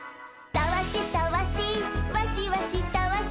「たわしたわしわしわしたわし」